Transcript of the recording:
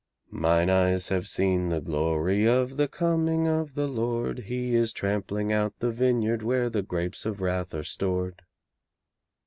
Mine eyes have seen the glory of the coming of the Lord He is trampling out the vineyard where the grapes of wrath are stored.